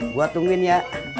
gue tungguin ya